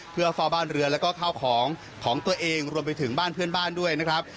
เพื่อเฝ้าบ้านเรือแล้วก็ข้าวของของตัวเองรวมไปถึงบ้านเพื่อนบ้านด้วยนะครับ